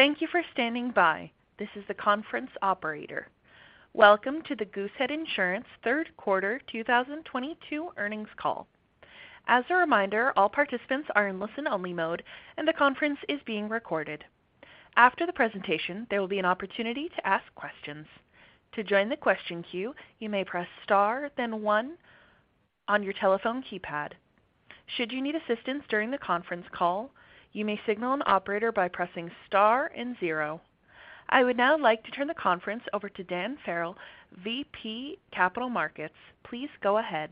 Thank you for standing by. This is the conference operator. Welcome to the Goosehead Insurance Third Quarter 2022 Earnings Call. As a reminder, all participants are in listen-only mode, and the conference is being recorded. After the presentation, there will be an opportunity to ask questions. To join the question queue, you may press star then one on your telephone keypad. Should you need assistance during the conference call, you may signal an operator by pressing star and zero. I would now like to turn the conference over to Dan Farrell, VP, Capital Markets. Please go ahead.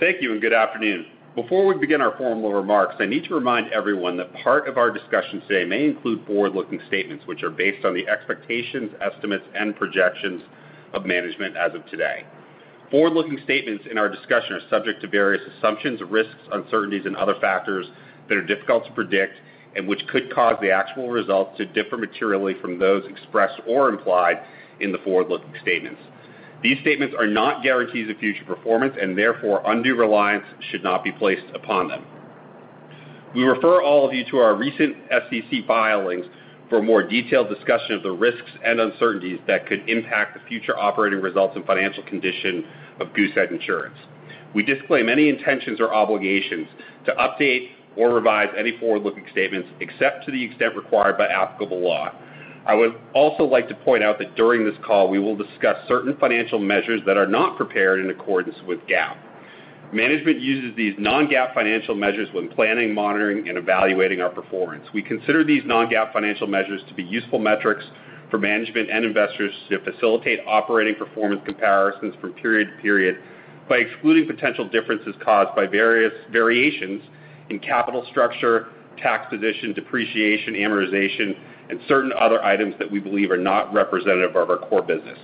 Thank you and good afternoon. Before we begin our formal remarks, I need to remind everyone that part of our discussion today may include forward-looking statements which are based on the expectations, estimates, and projections of management as of today. Forward-looking statements in our discussion are subject to various assumptions, risks, uncertainties, and other factors that are difficult to predict and which could cause the actual results to differ materially from those expressed or implied in the forward-looking statements. These statements are not guarantees of future performance, and therefore, undue reliance should not be placed upon them. We refer all of you to our recent SEC filings for a more detailed discussion of the risks and uncertainties that could impact the future operating results and financial condition of Goosehead Insurance. We disclaim any intentions or obligations to update or revise any forward-looking statements except to the extent required by applicable law. I would also like to point out that during this call, we will discuss certain financial measures that are not prepared in accordance with GAAP. Management uses these non-GAAP financial measures when planning, monitoring, and evaluating our performance. We consider these non-GAAP financial measures to be useful metrics for management and investors to facilitate operating performance comparisons from period to period by excluding potential differences caused by various variations in capital structure, tax position, depreciation, amortization, and certain other items that we believe are not representative of our core business.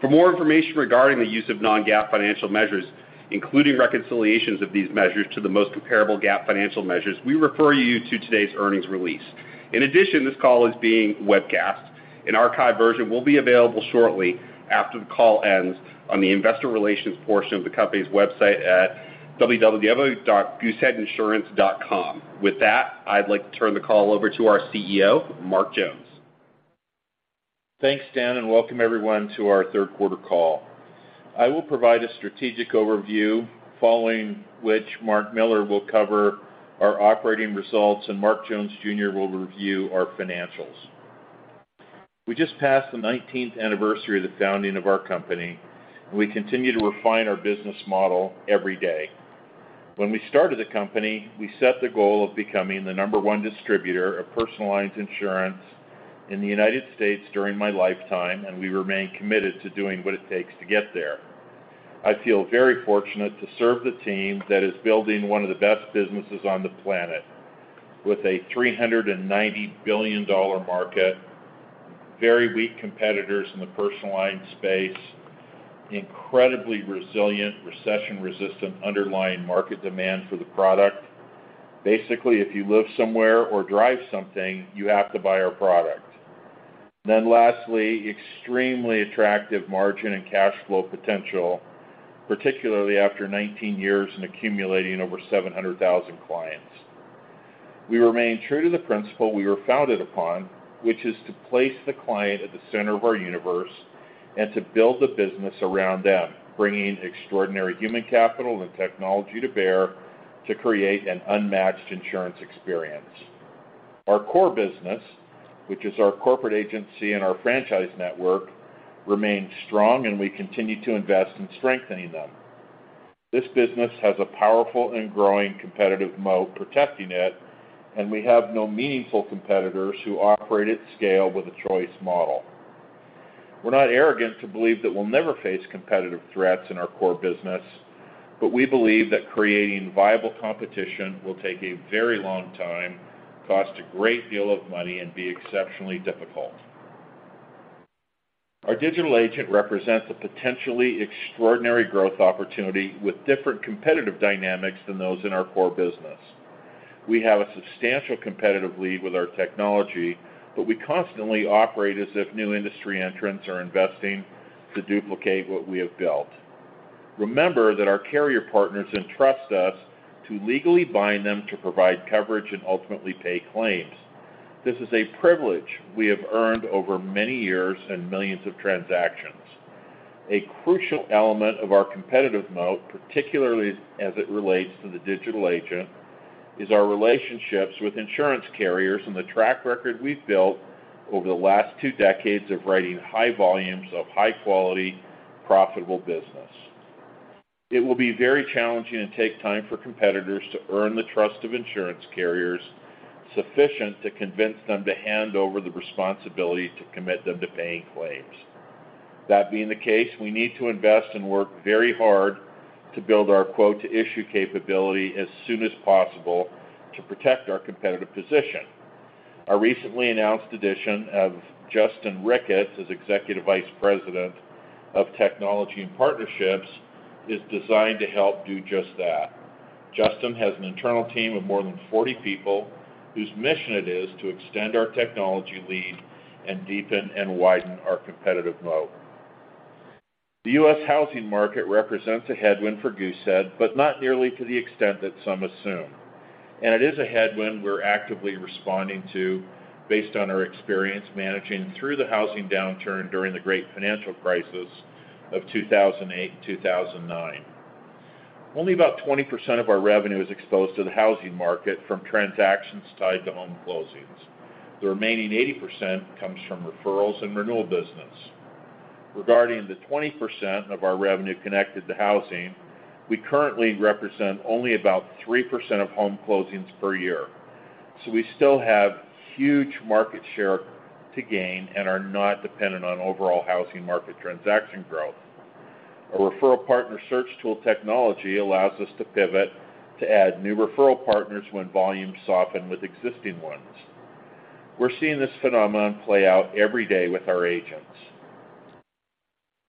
For more information regarding the use of non-GAAP financial measures, including reconciliations of these measures to the most comparable GAAP financial measures, we refer you to today's earnings release. In addition, this call is being webcast. An archived version will be available shortly after the call ends on the investor relations portion of the company's website at www.gooseheadinsurance.com. With that, I'd like to turn the call over to our CEO, Mark Jones. Thanks, Dan, and welcome everyone to our Third Quarter Call. I will provide a strategic overview following which Mark Miller will cover our operating results, and Mark Jones Jr. will review our financials. We just passed the 19th anniversary of the founding of our company. We continue to refine our business model every day. When we started the company, we set the goal of becoming the number one distributor of personal lines insurance in the United States during my lifetime, and we remain committed to doing what it takes to get there. I feel very fortunate to serve the team that is building one of the best businesses on the planet with a $390 billion market, very weak competitors in the personal lines space, incredibly resilient, recession-resistant underlying market demand for the product. Basically, if you live somewhere or drive something, you have to buy our product. Lastly, extremely attractive margin and cash flow potential, particularly after 19 years in accumulating over 700,000 clients. We remain true to the principle we were founded upon, which is to place the client at the center of our universe and to build the business around them, bringing extraordinary human capital and technology to bear to create an unmatched insurance experience. Our core business, which is our corporate agency and our franchise network, remains strong, and we continue to invest in strengthening them. This business has a powerful and growing competitive moat protecting it, and we have no meaningful competitors who operate at scale with a choice model. We're not arrogant to believe that we'll never face competitive threats in our core business, but we believe that creating viable competition will take a very long time, cost a great deal of money, and be exceptionally difficult. Our digital agent represents a potentially extraordinary growth opportunity with different competitive dynamics than those in our core business. We have a substantial competitive lead with our technology, but we constantly operate as if new industry entrants are investing to duplicate what we have built. Remember that our carrier partners entrust us to legally bind them to provide coverage and ultimately pay claims. This is a privilege we have earned over many years and millions of transactions. A crucial element of our competitive moat, particularly as it relates to the digital agent, is our relationships with insurance carriers and the track record we've built over the last two decades of writing high volumes of high quality, profitable business. It will be very challenging and take time for competitors to earn the trust of insurance carriers sufficient to convince them to hand over the responsibility to commit them to paying claims. That being the case, we need to invest and work very hard to build our quote to issue capability as soon as possible to protect our competitive position. Our recently announced addition of Justin Ricketts as Executive Vice President of Technology and Partnerships is designed to help do just that. Justin has an internal team of more than 40 people whose mission it is to extend our technology lead and deepen and widen our competitive moat. The U.S. housing market represents a headwind for Goosehead, but not nearly to the extent that some assume. It is a headwind we're actively responding to based on our experience managing through the housing downturn during the great financial crisis of 2008, 2009. Only about 20% of our revenue is exposed to the housing market from transactions tied to home closings. The remaining 80% comes from referrals and renewal business. Regarding the 20% of our revenue connected to housing, we currently represent only about 3% of home closings per year. We still have huge market share to gain and are not dependent on overall housing market transaction growth. Our referral partner search tool technology allows us to pivot to add new referral partners when volumes soften with existing ones. We're seeing this phenomenon play out every day with our agents.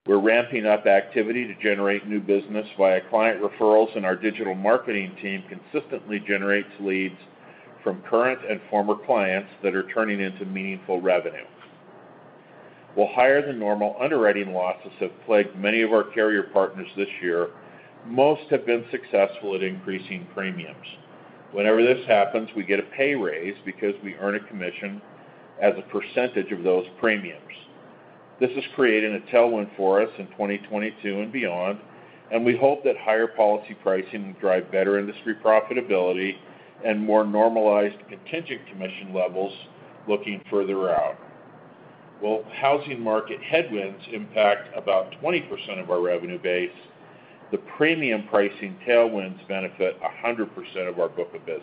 We're ramping up activity to generate new business via client referrals, and our digital marketing team consistently generates leads from current and former clients that are turning into meaningful revenue. While higher-than-normal underwriting losses have plagued many of our carrier partners this year, most have been successful at increasing premiums. Whenever this happens, we get a pay raise because we earn a commission as a percentage of those premiums. This is creating a tailwind for us in 2022 and beyond, and we hope that higher policy pricing will drive better industry profitability and more normalized contingent commission levels looking further out. While housing market headwinds impact about 20% of our revenue base, the premium pricing tailwinds benefit 100% of our book of business.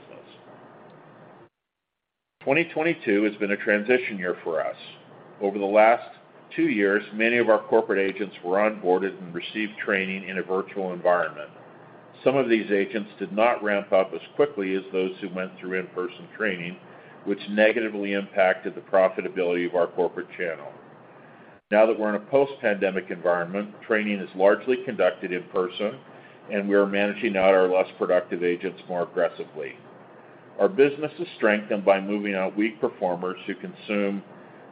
2022 has been a transition year for us. Over the last two years, many of our corporate agents were onboarded and received training in a virtual environment. Some of these agents did not ramp up as quickly as those who went through in-person training, which negatively impacted the profitability of our corporate channel. Now that we're in a post-pandemic environment, training is largely conducted in person, and we are managing out our less productive agents more aggressively. Our business is strengthened by moving out weak performers who consume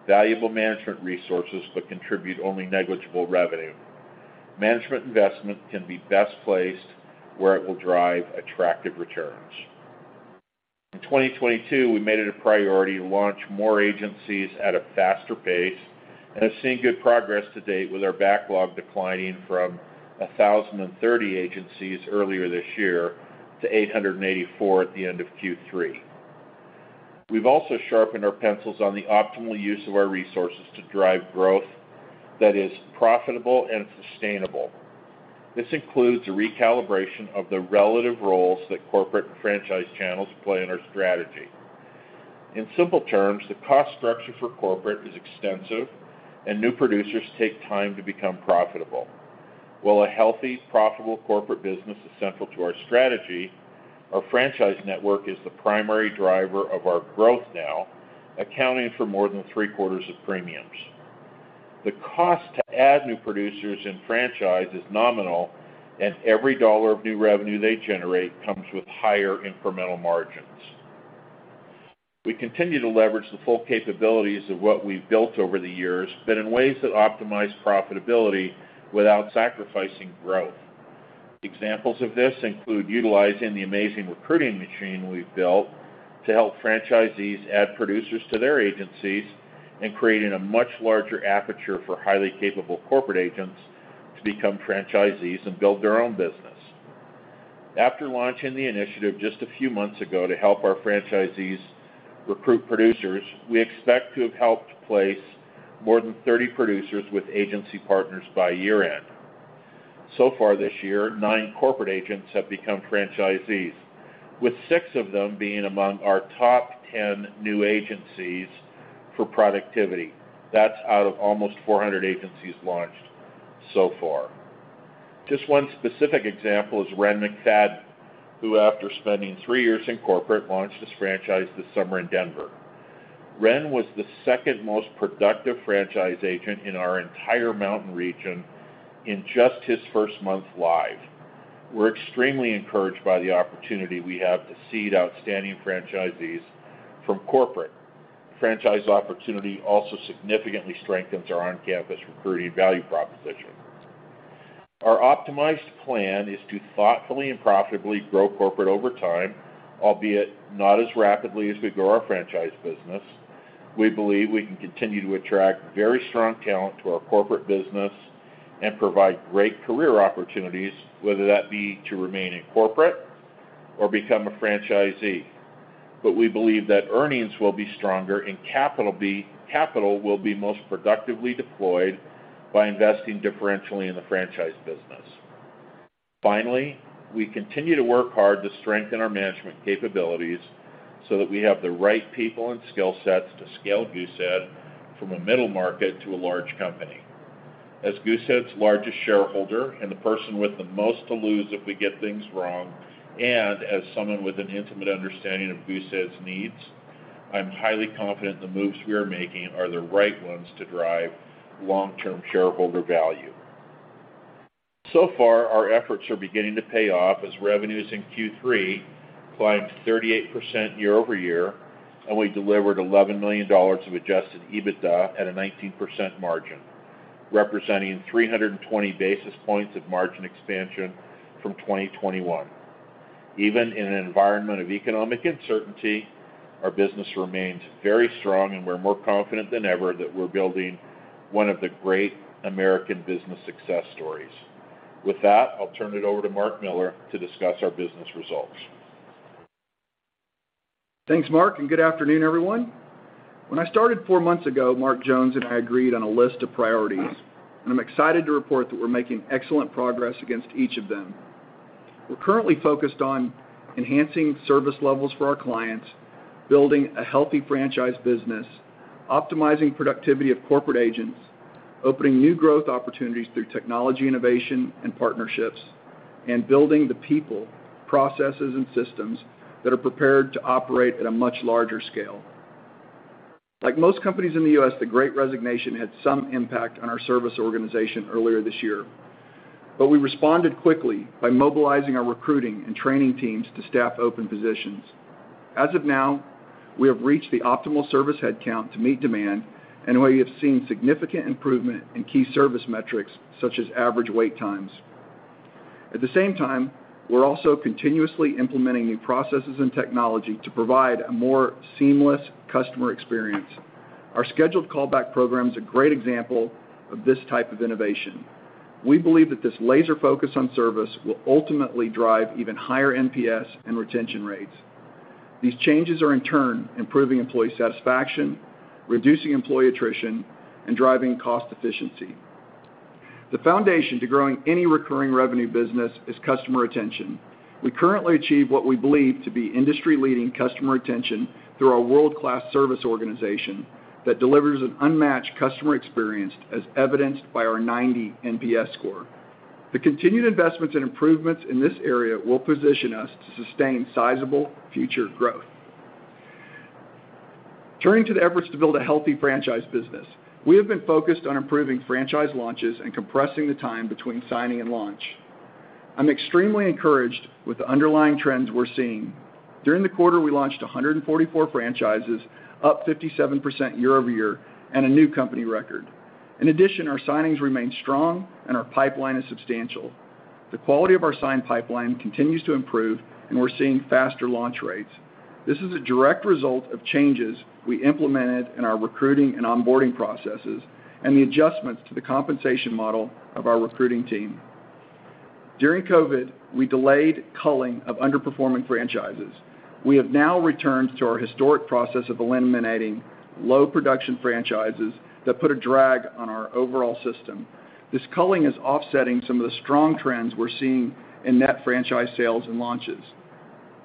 valuable management resources but contribute only negligible revenue. Management investment can be best placed where it will drive attractive returns. In 2022, we made it a priority to launch more agencies at a faster pace and have seen good progress to date with our backlog declining from 1,030 agencies earlier this year to 884 at the end of Q3. We've also sharpened our pencils on the optimal use of our resources to drive growth that is profitable and sustainable. This includes a recalibration of the relative roles that corporate and franchise channels play in our strategy. In simple terms, the cost structure for corporate is extensive, and new producers take time to become profitable. While a healthy, profitable corporate business is central to our strategy, our franchise network is the primary driver of our growth now, accounting for more than three-quarters of premiums. The cost to add new producers in franchise is nominal, and every dollar of new revenue they generate comes with higher incremental margins. We continue to leverage the full capabilities of what we've built over the years, but in ways that optimize profitability without sacrificing growth. Examples of this include utilizing the amazing recruiting machine we've built to help franchisees add producers to their agencies and creating a much larger aperture for highly capable corporate agents to become franchisees and build their own business. After launching the initiative just a few months ago to help our franchisees recruit producers, we expect to have helped place more than 30 producers with agency partners by year-end. So far this year, 9 corporate agents have become franchisees, with six of them being among our top 10 new agencies for productivity. That's out of almost 400 agencies launched so far. Just one specific example is Wren McFadden, who, after spending three years in corporate, launched his franchise this summer in Denver. Wren was the second most productive franchise agent in our entire Mountain region in just his first month live. We're extremely encouraged by the opportunity we have to seed outstanding franchisees from corporate. Franchise opportunity also significantly strengthens our on-campus recruiting value proposition. Our optimized plan is to thoughtfully and profitably grow corporate over time, albeit not as rapidly as we grow our franchise business. We believe we can continue to attract very strong talent to our corporate business and provide great career opportunities, whether that be to remain in corporate or become a franchisee. We believe that earnings will be stronger and capital will be most productively deployed by investing differentially in the franchise business. Finally, we continue to work hard to strengthen our management capabilities so that we have the right people and skill sets to scale Goosehead from a middle market to a large company. As Goosehead's largest shareholder and the person with the most to lose if we get things wrong, and as someone with an intimate understanding of Goosehead's needs, I'm highly confident the moves we are making are the right ones to drive long-term shareholder value. Far, our efforts are beginning to pay off as revenues in Q3 climbed 38% year-over-year, and we delivered $11 million of adjusted EBITDA at a 19% margin, representing 320 basis points of margin expansion from 2021. Even in an environment of economic uncertainty, our business remains very strong, and we're more confident than ever that we're building one of the great American business success stories. With that, I'll turn it over to Mark Miller to discuss our business results. Thanks, Mark, and good afternoon, everyone. When I started four months ago, Mark Jones and I agreed on a list of priorities, and I'm excited to report that we're making excellent progress against each of them. We're currently focused on enhancing service levels for our clients, building a healthy franchise business, optimizing productivity of corporate agents, opening new growth opportunities through technology innovation and partnerships, and building the people, processes, and systems that are prepared to operate at a much larger scale. Like most companies in the U.S., the Great Resignation had some impact on our service organization earlier this year. We responded quickly by mobilizing our recruiting and training teams to staff open positions. As of now, we have reached the optimal service headcount to meet demand, and we have seen significant improvement in key service metrics, such as average wait times. At the same time, we're also continuously implementing new processes and technology to provide a more seamless customer experience. Our scheduled callback program is a great example of this type of innovation. We believe that this laser focus on service will ultimately drive even higher NPS and retention rates. These changes are in turn improving employee satisfaction, reducing employee attrition, and driving cost efficiency. The foundation to growing any recurring revenue business is customer retention. We currently achieve what we believe to be industry-leading customer retention through our world-class service organization that delivers an unmatched customer experience as evidenced by our 90 NPS score. The continued investments and improvements in this area will position us to sustain sizable future growth. Turning to the efforts to build a healthy franchise business. We have been focused on improving franchise launches and compressing the time between signing and launch. I'm extremely encouraged with the underlying trends we're seeing. During the quarter, we launched 144 franchises, up 57% year-over-year and a new company record. In addition, our signings remain strong and our pipeline is substantial. The quality of our signed pipeline continues to improve, and we're seeing faster launch rates. This is a direct result of changes we implemented in our recruiting and onboarding processes and the adjustments to the compensation model of our recruiting team. During COVID, we delayed culling of underperforming franchises. We have now returned to our historic process of eliminating low production franchises that put a drag on our overall system. This culling is offsetting some of the strong trends we're seeing in net franchise sales and launches.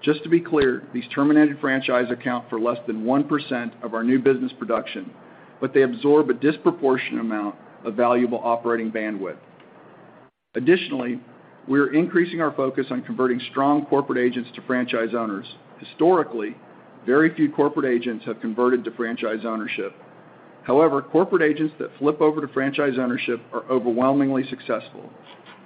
Just to be clear, these terminated franchise account for less than 1% of our new business production, but they absorb a disproportionate amount of valuable operating bandwidth. Additionally, we are increasing our focus on converting strong corporate agents to franchise owners. Historically, very few corporate agents have converted to franchise ownership. However, corporate agents that flip over to franchise ownership are overwhelmingly successful.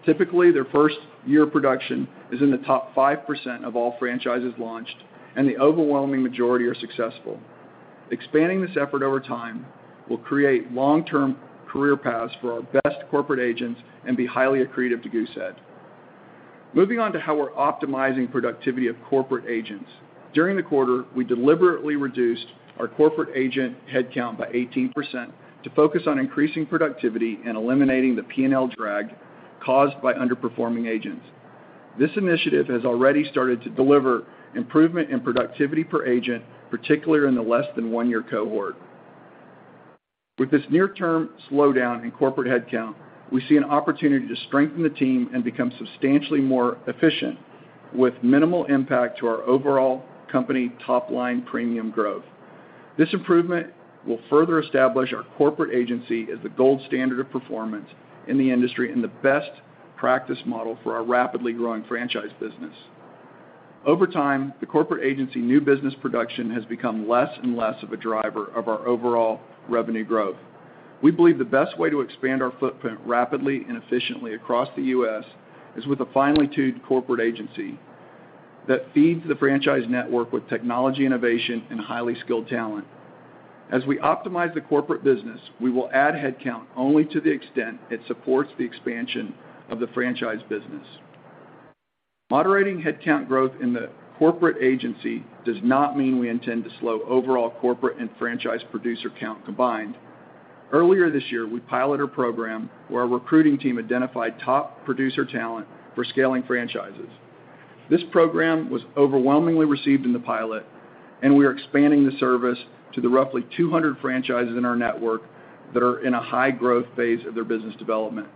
Typically, their first year production is in the top 5% of all franchises launched, and the overwhelming majority are successful. Expanding this effort over time will create long-term career paths for our best corporate agents and be highly accretive to Goosehead. Moving on to how we're optimizing productivity of corporate agents. During the quarter, we deliberately reduced our corporate agent headcount by 18% to focus on increasing productivity and eliminating the P&L drag caused by underperforming agents. This initiative has already started to deliver improvement in productivity per agent, particularly in the less than one year cohort. With this near term slowdown in corporate headcount, we see an opportunity to strengthen the team and become substantially more efficient with minimal impact to our overall company top line premium growth. This improvement will further establish our corporate agency as the gold standard of performance in the industry and the best practice model for our rapidly growing franchise business. Over time, the corporate agency new business production has become less and less of a driver of our overall revenue growth. We believe the best way to expand our footprint rapidly and efficiently across the U.S. is with a finely tuned corporate agency that feeds the franchise network with technology innovation and highly skilled talent. As we optimize the corporate business, we will add headcount only to the extent it supports the expansion of the franchise business. Moderating headcount growth in the corporate agency does not mean we intend to slow overall corporate and franchise producer count combined. Earlier this year, we piloted a program where our recruiting team identified top producer talent for scaling franchises. This program was overwhelmingly received in the pilot, and we are expanding the service to the roughly 200 franchises in our network that are in a high growth phase of their business development.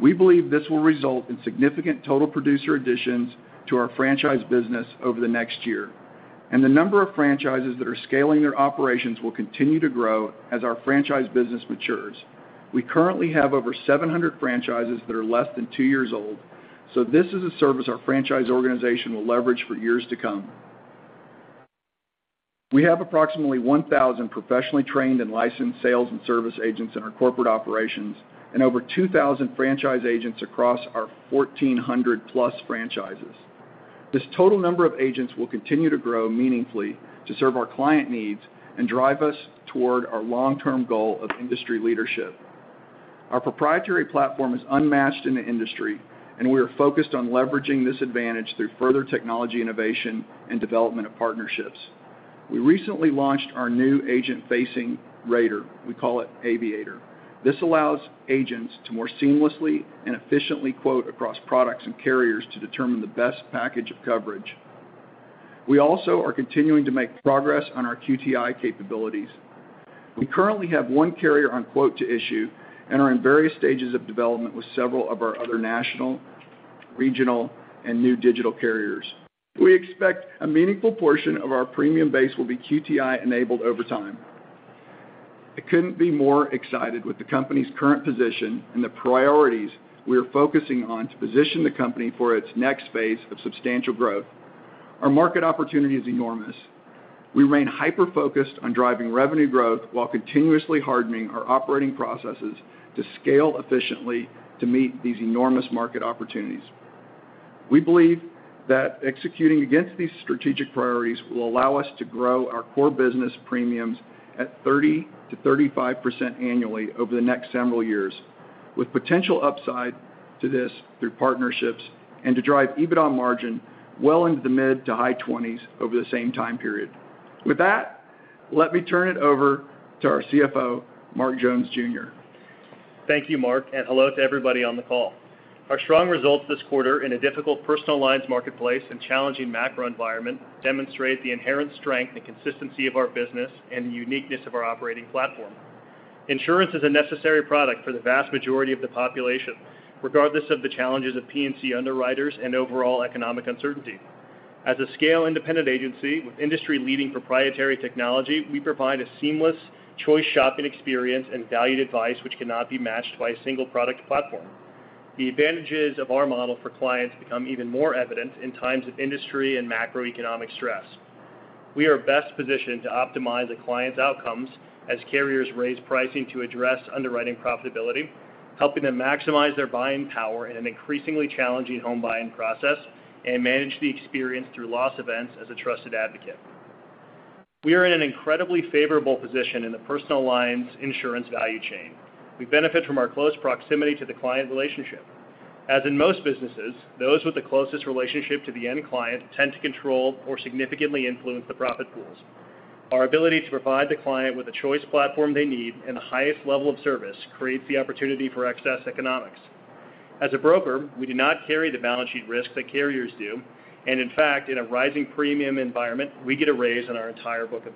We believe this will result in significant total producer additions to our franchise business over the next year, and the number of franchises that are scaling their operations will continue to grow as our franchise business matures. We currently have over 700 franchises that are less than 2 years old, so this is a service our franchise organization will leverage for years to come. We have approximately 1,000 professionally trained and licensed sales and service agents in our corporate operations and over 2,000 franchise agents across our 1,400+ franchises. This total number of agents will continue to grow meaningfully to serve our client needs and drive us toward our long-term goal of industry leadership. Our proprietary platform is unmatched in the industry, and we are focused on leveraging this advantage through further technology innovation and development of partnerships. We recently launched our new agent-facing rater. We call it Aviator. This allows agents to more seamlessly and efficiently quote across products and carriers to determine the best package of coverage. We also are continuing to make progress on our QTI capabilities. We currently have one carrier on quote to issue and are in various stages of development with several of our other national, regional, and new digital carriers. We expect a meaningful portion of our premium base will be QTI enabled over time. I couldn't be more excited with the company's current position and the priorities we are focusing on to position the company for its next phase of substantial growth. Our market opportunity is enormous. We remain hyper-focused on driving revenue growth while continuously hardening our operating processes to scale efficiently to meet these enormous market opportunities. We believe that executing against these strategic priorities will allow us to grow our core business premiums at 30%-35% annually over the next several years, with potential upside to this through partnerships and to drive EBITDA margin well into the mid- to high 20s% over the same time period. With that, let me turn it over to our CFO, Mark Jones Jr.. Thank you, Mark, and hello to everybody on the call. Our strong results this quarter in a difficult personal lines marketplace and challenging macro environment demonstrate the inherent strength and consistency of our business and the uniqueness of our operating platform. Insurance is a necessary product for the vast majority of the population, regardless of the challenges of P&C underwriters and overall economic uncertainty. As a scale independent agency with industry leading proprietary technology, we provide a seamless choice shopping experience and valued advice which cannot be matched by a single product platform. The advantages of our model for clients become even more evident in times of industry and macroeconomic stress. We are best positioned to optimize a client's outcomes as carriers raise pricing to address underwriting profitability, helping them maximize their buying power in an increasingly challenging home buying process and manage the experience through loss events as a trusted advocate. We are in an incredibly favorable position in the personal lines insurance value chain. We benefit from our close proximity to the client relationship. As in most businesses, those with the closest relationship to the end client tend to control or significantly influence the profit pools. Our ability to provide the client with the choice platform they need and the highest level of service creates the opportunity for excess economics. As a broker, we do not carry the balance sheet risk that carriers do. In fact, in a rising premium environment, we get a raise on our entire book of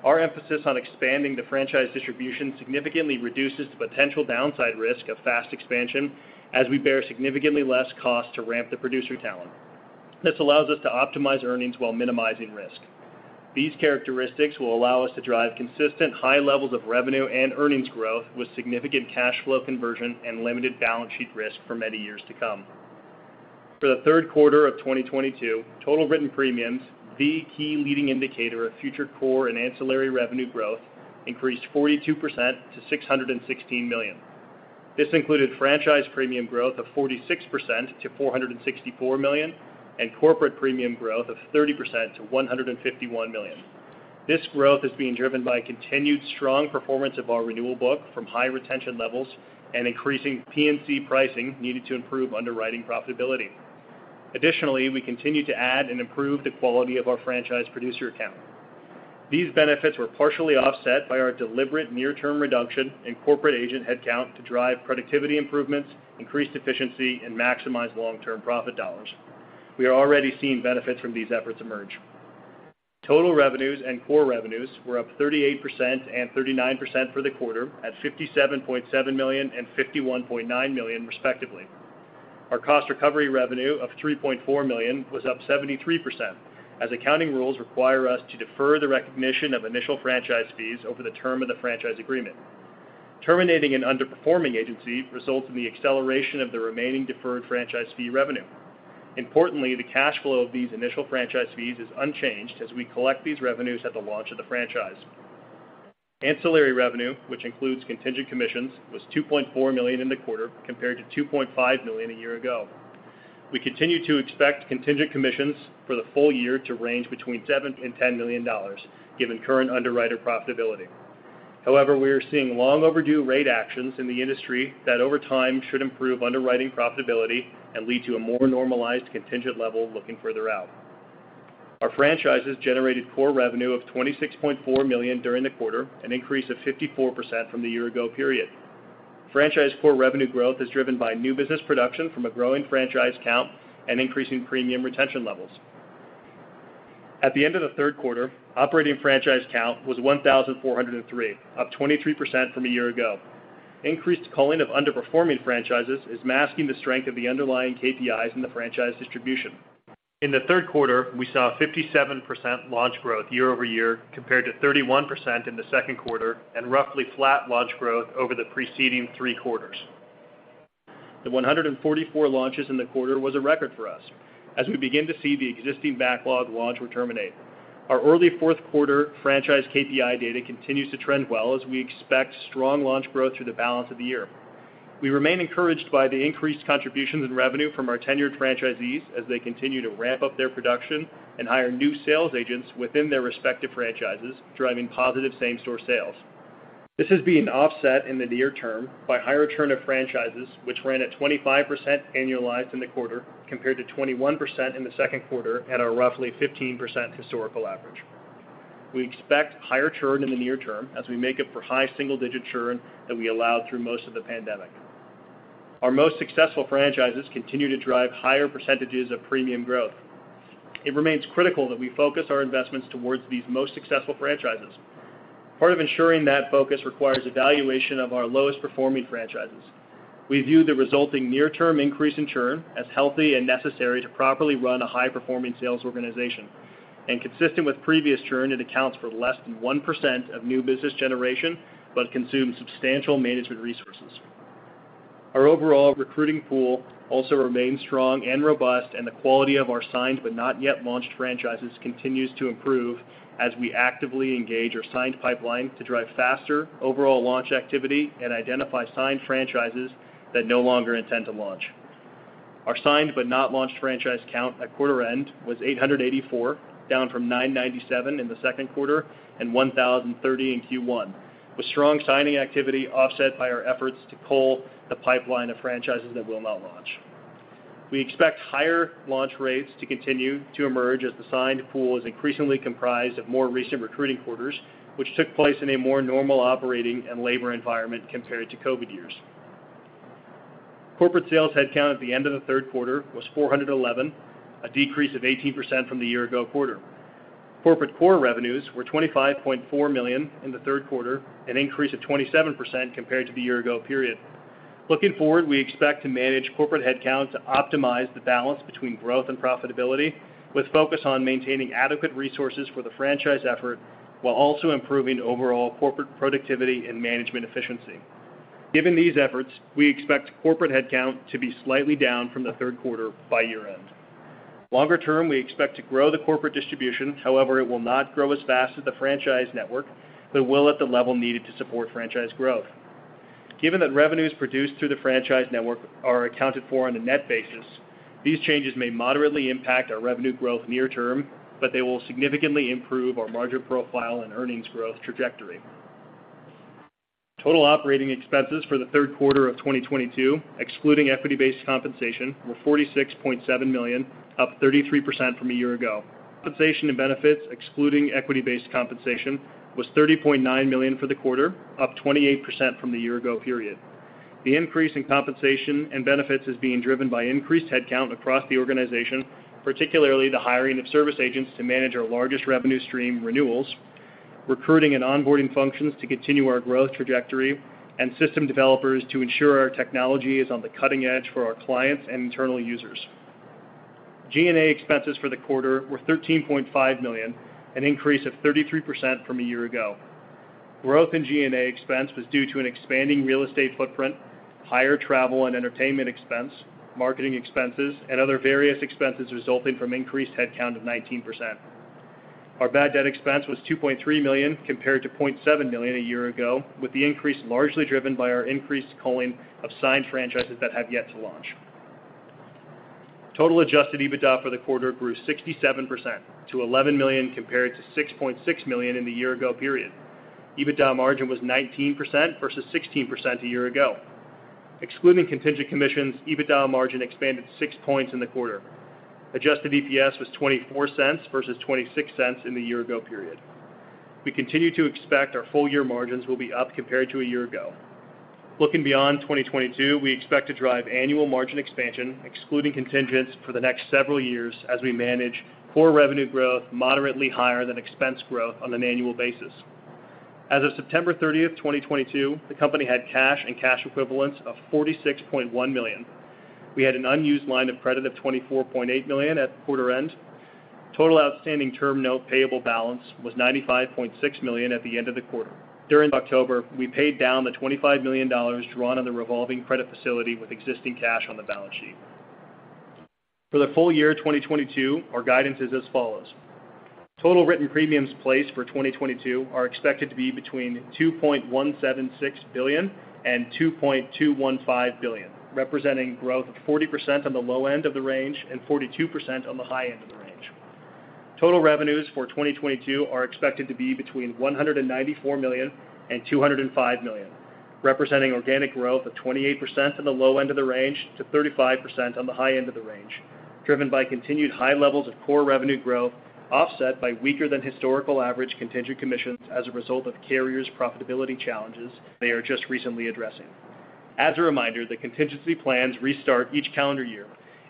business. Our emphasis on expanding the franchise distribution significantly reduces the potential downside risk of fast expansion as we bear significantly less cost to ramp the producer talent. This allows us to optimize earnings while minimizing risk. These characteristics will allow us to drive consistent high levels of revenue and earnings growth with significant cash flow conversion and limited balance sheet risk for many years to come. For the third quarter of 2022, total written premiums, the key leading indicator of future core and ancillary revenue growth, increased 42% to $616 million. This included franchise premium growth of 46% to $464 million and corporate premium growth of 30% to $151 million. This growth is being driven by continued strong performance of our renewal book from high retention levels and increasing P&C pricing needed to improve underwriting profitability. Additionally, we continue to add and improve the quality of our franchise producer count. These benefits were partially offset by our deliberate near-term reduction in corporate agent headcount to drive productivity improvements, increased efficiency, and maximize long-term profit dollars. We are already seeing benefits from these efforts emerge. Total revenues and core revenues were up 38% and 39% for the quarter at $57.7 million and $51.9 million respectively. Our cost recovery revenue of $3.4 million was up 73% as accounting rules require us to defer the recognition of initial franchise fees over the term of the franchise agreement. Terminating an underperforming agency results in the acceleration of the remaining deferred franchise fee revenue. Importantly, the cash flow of these initial franchise fees is unchanged as we collect these revenues at the launch of the franchise. Ancillary revenue, which includes contingent commissions, was $2.4 million in the quarter compared to $2.5 million a year ago. We continue to expect contingent commissions for the full year to range between $7 million and $10 million given current underwriter profitability. However, we are seeing long overdue rate actions in the industry that over time should improve underwriting profitability and lead to a more normalized contingent level looking further out. Our franchises generated core revenue of $26.4 million during the quarter, an increase of 54% from the year ago period. Franchise core revenue growth is driven by new business production from a growing franchise count and increasing premium retention levels. At the end of the third quarter, operating franchise count was 1,403, up 23% from a year ago. Increased culling of underperforming franchises is masking the strength of the underlying KPIs in the franchise distribution. In the third quarter, we saw a 57% launch growth year over year compared to 31% in the second quarter and roughly flat launch growth over the preceding three quarters. The 144 launches in the quarter was a record for us as we begin to see the existing backlog launch or terminate. Our early fourth quarter franchise KPI data continues to trend well as we expect strong launch growth through the balance of the year. We remain encouraged by the increased contributions in revenue from our tenured franchisees as they continue to ramp up their production and hire new sales agents within their respective franchises, driving positive same-store sales. This is being offset in the near term by higher churn of franchises, which ran at 25% annualized in the quarter compared to 21% in the second quarter at a roughly 15% historical average. We expect higher churn in the near term as we make up for high single-digit churn that we allowed through most of the pandemic. Our most successful franchises continue to drive higher percentages of premium growth. It remains critical that we focus our investments towards these most successful franchises. Part of ensuring that focus requires evaluation of our lowest performing franchises. We view the resulting near-term increase in churn as healthy and necessary to properly run a high-performing sales organization. Consistent with previous churn, it accounts for less than 1% of new business generation, but consumes substantial management resources. Our overall recruiting pool also remains strong and robust, and the quality of our signed but not yet launched franchises continues to improve as we actively engage our signed pipeline to drive faster overall launch activity and identify signed franchises that no longer intend to launch. Our signed but not launched franchise count at quarter end was 884, down from 997 in the second quarter and 1,030 in Q1, with strong signing activity offset by our efforts to cull the pipeline of franchises that will not launch. We expect higher launch rates to continue to emerge as the signed pool is increasingly comprised of more recent recruiting quarters, which took place in a more normal operating and labor environment compared to COVID years. Corporate sales headcount at the end of the third quarter was 411, a decrease of 18% from the year ago quarter. Corporate core revenues were $25.4 million in the third quarter, an increase of 27% compared to the year ago period. Looking forward, we expect to manage corporate headcount to optimize the balance between growth and profitability, with focus on maintaining adequate resources for the franchise effort while also improving overall corporate productivity and management efficiency. Given these efforts, we expect corporate headcount to be slightly down from the third quarter by year-end. Longer term, we expect to grow the corporate distribution. However, it will not grow as fast as the franchise network, but will at the level needed to support franchise growth. Given that revenues produced through the franchise network are accounted for on a net basis, these changes may moderately impact our revenue growth near term, but they will significantly improve our margin profile and earnings growth trajectory. Total operating expenses for the third quarter of 2022, excluding equity-based compensation, were $46.7 million, up 33% from a year ago. Compensation and benefits, excluding equity-based compensation, was $30.9 million for the quarter, up 28% from the year ago period. The increase in compensation and benefits is being driven by increased headcount across the organization, particularly the hiring of service agents to manage our largest revenue stream renewals, recruiting and onboarding functions to continue our growth trajectory, and system developers to ensure our technology is on the cutting edge for our clients and internal users. G&A expenses for the quarter were $13.5 million, an increase of 33% from a year ago. Growth in G&A expense was due to an expanding real estate footprint, higher travel and entertainment expense, marketing expenses, and other various expenses resulting from increased headcount of 19%. Our bad debt expense was $2.3 million compared to $0.7 million a year ago, with the increase largely driven by our increased culling of signed franchises that have yet to launch. Total adjusted EBITDA for the quarter grew 67% to $11 million compared to $6.6 million in the year ago period. EBITDA margin was 19% versus 16% a year ago. Excluding contingent commissions, EBITDA margin expanded 6 points in the quarter. Adjusted EPS was $0.24 versus $0.26 in the year ago period. We continue to expect our full year margins will be up compared to a year ago. Looking beyond 2022, we expect to drive annual margin expansion, excluding contingents for the next several years as we manage core revenue growth moderately higher than expense growth on an annual basis. As of September thirtieth, 2022, the company had cash and cash equivalents of $46.1 million. We had an unused line of credit of $24.8 million at quarter end. Total outstanding term note payable balance was $95.6 million at the end of the quarter. During October, we paid down the $25 million drawn on the revolving credit facility with existing cash on the balance sheet. For the full year 2022, our guidance is as follows. Total written premiums placed for 2022 are expected to be between $2.176 billion and $2.215 billion, representing growth of 40% on the low end of the range and 42% on the high end of the range. Total revenues for 2022 are expected to be between $194 million and $205 million, representing organic growth of 28% on the low end of the range to 35% on the high end of the range, driven by continued high levels of core revenue growth offset by weaker than historical average contingent commissions as a result of carriers' profitability challenges they are just recently addressing. As a reminder, the contingent plans restart each calendar year,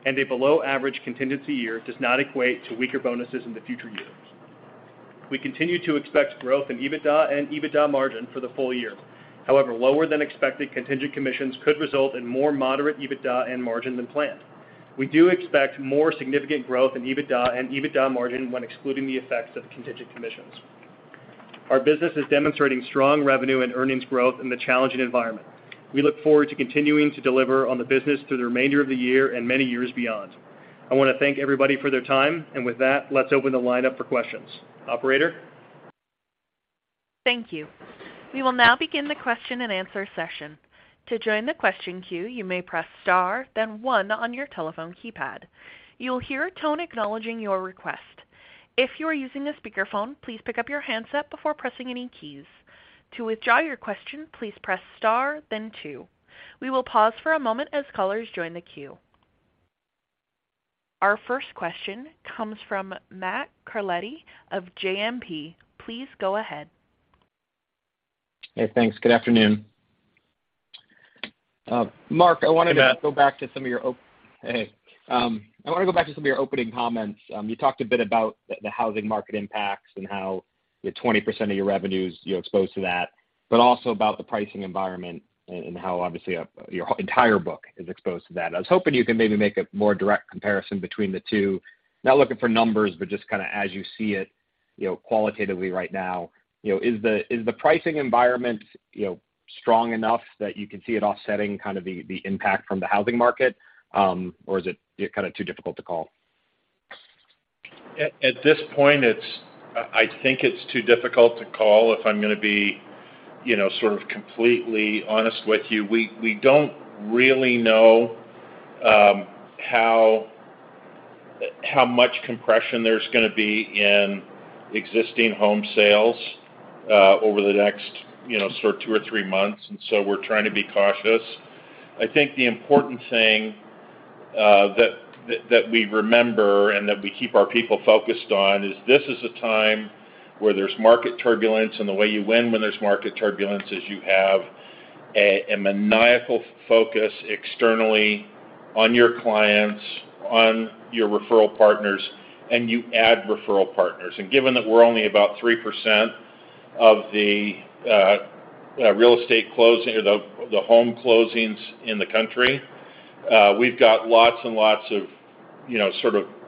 and a below average contingency year does not equate to weaker bonuses in the future years. We continue to expect growth in EBITDA and EBITDA margin for the full year. However, lower than expected contingent commissions could result in more moderate EBITDA and margin than planned. We do expect more significant growth in EBITDA and EBITDA margin when excluding the effects of contingent commissions. Our business is demonstrating strong revenue and earnings growth in the challenging environment. We look forward to continuing to deliver on the business through the remainder of the year and many years beyond. I wanna thank everybody for their time, and with that, let's open the lineup for questions. Operator? Thank you. We will now begin the question-and-answer session. To join the question queue, you may press star then one on your telephone keypad. You will hear a tone acknowledging your request. If you are using a speakerphone, please pick up your handset before pressing any keys. To withdraw your question, please press star then two. We will pause for a moment as callers join the queue. Our first question comes from Matt Carletti of JMP. Please go ahead. Hey, thanks. Good afternoon. Mark, I wanted to. Hey. I wanna go back to some of your opening comments. You talked a bit about the housing market impacts and how with 20% of your revenues you're exposed to that, but also about the pricing environment and how obviously your entire book is exposed to that. I was hoping you could maybe make a more direct comparison between the two. Not looking for numbers, but just kinda as you see it, you know, qualitatively right now. You know, is the pricing environment, you know, strong enough that you can see it offsetting kind of the impact from the housing market, or is it kind of too difficult to call? At this point, I think it's too difficult to call, if I'm gonna be completely honest with you. We don't really know how much compression there's gonna be in existing home sales over the next 2 or 3 months, so we're trying to be cautious. I think the important thing that we remember and that we keep our people focused on is this is a time where there's market turbulence, and the way you win when there's market turbulence is you have a maniacal focus externally on your clients, on your referral partners, and you add referral partners. Given that we're only about 3% of the real estate closing or the home closings in the country, we've got lots and lots of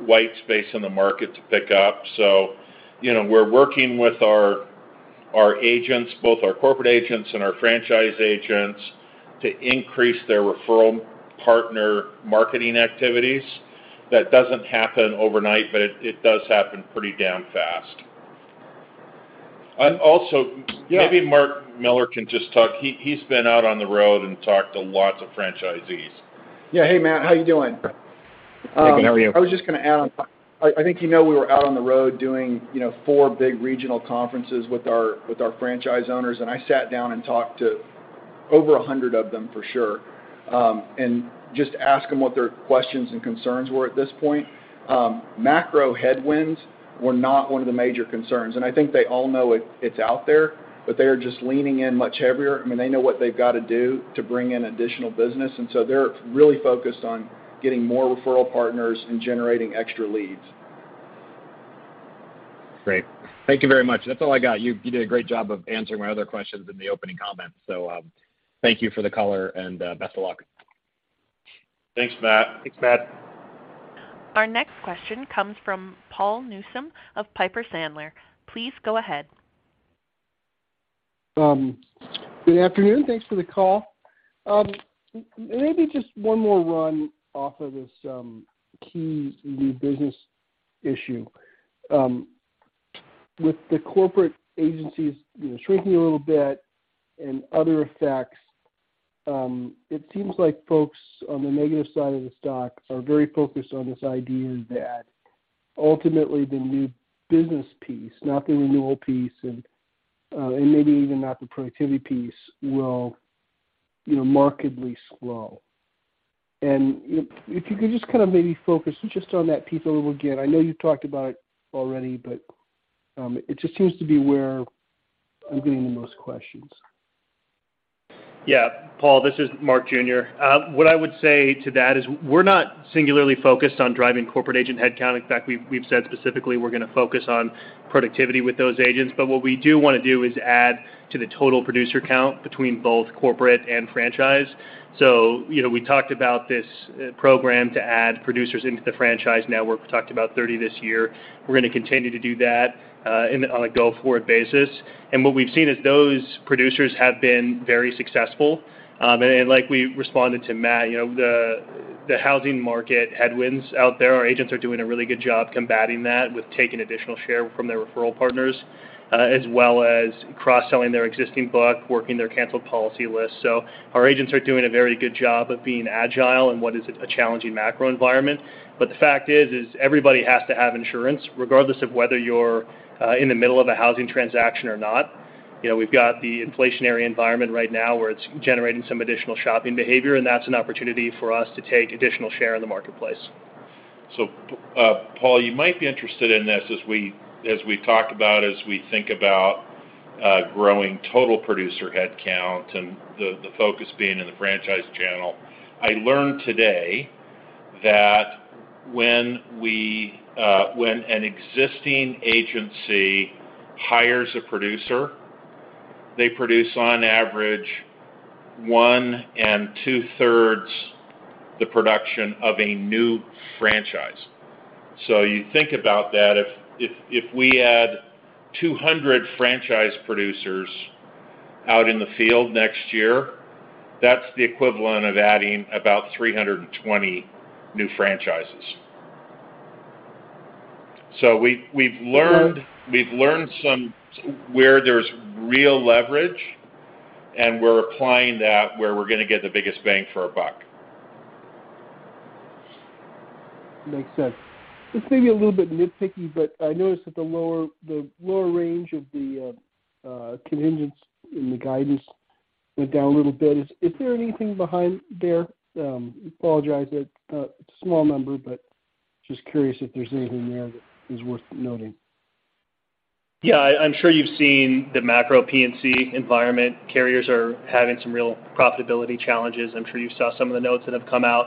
white space in the market to pick up. You know, we're working with our agents, both our corporate agents and our franchise agents, to increase their referral partner marketing activities. That doesn't happen overnight, but it does happen pretty damn fast. Also maybe Mark Miller can just talk. He's been out on the road and talked to lots of franchisees. Hey, Matt, how you doing? Hey. Good. How are you? I was just gonna add on. I think you know we were out on the road doing, you know, 4 big regional conferences with our franchise owners, and I sat down and talked to over 100 of them for sure, and just asked them what their questions and concerns were at this point. Macro headwinds were not one of the major concerns, and I think they all know it's out there, but they are just leaning in much heavier. I mean, they know what they've gotta do to bring in additional business, and so they're really focused on getting more referral partners and generating extra leads. Great. Thank you very much. That's all I got. You did a great job of answering my other questions in the opening comments. Thank you for the color and best of luck. Thanks, Matt. Thanks, Matt. Our next question comes from Paul Newsome of Piper Sandler. Please go ahead. Good afternoon. Thanks for the call. Maybe just one more run off of this key new business issue. With the corporate agencies, you know, shrinking a little bit and other effects, it seems like folks on the negative side of the stock are very focused on this idea that ultimately the new business piece, not the renewal piece and maybe even not the productivity piece will, you know, markedly slow. If you could just maybe focus just on that piece a little again. I know you've talked about it already, but it just seems to be where I'm getting the most questions. Paul, this is Mark Jones Jr.. What I would say to that is we're not singularly focused on driving corporate agent headcount. In fact, we've said specifically we're gonna focus on productivity with those agents. What we do wanna do is add to the total producer count between both corporate and franchise. You know, we talked about this program to add producers into the franchise network. We talked about 30 this year. We're gonna continue to do that on a go-forward basis. What we've seen is those producers have been very successful. Like we responded to Matt, you know, the housing market headwinds out there, our agents are doing a really good job combating that with taking additional share from their referral partners, as well as cross-selling their existing book, working their canceled policy list. Our agents are doing a very good job of being agile in what is a challenging macro environment. The fact is everybody has to have insurance, regardless of whether you're in the middle of a housing transaction or not. You know, we've got the inflationary environment right now, where it's generating some additional shopping behavior, and that's an opportunity for us to take additional share in the marketplace. Paul, you might be interested in this as we talk about, as we think about growing total producer headcount and the focus being in the franchise channel. I learned today that when an existing agency hires a producer. They produce on average 1 2/3 the production of a new franchise. You think about that. If we add 200 franchise producers out in the field next year, that's the equivalent of adding about 320 new franchises. We’ve learned somewhere there’s real leverage, and we’re applying that where we’re gonna get the biggest bang for our buck. Makes sense. This may be a little bit nitpicky, but I noticed that the lower range of the contingents in the guidance went down a little bit. Is there anything behind there? Apologize that it's a small number, but just curious if there's anything there that is worth noting. I'm sure you've seen the macro P&C environment. Carriers are having some real profitability challenges. I'm sure you saw some of the notes that have come out